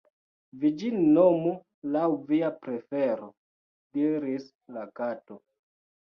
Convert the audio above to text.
"Vi ĝin nomu laŭ via prefero," diris la Kato.